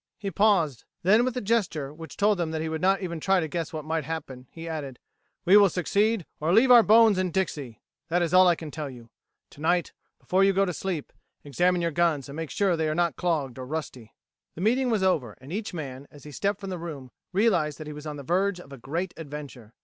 He paused; then, with a gesture which told them that he would not even try to guess what might happen, he added: "We will succeed or leave our bones in Dixie! That is all I can tell you. Tonight, before you go to sleep, examine your guns and make sure that they are not clogged or rusty." The meeting was over, and each man, as he stepped from the room, realized that he was on the verge of a great adventure.